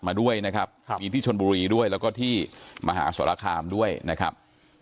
มาด้วยนะครับมีที่ชนบุรีด้วยแล้วก็ที่มหาสรคามด้วยนะครับ